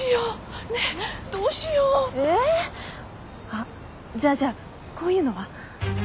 あっじゃあじゃあこういうのは？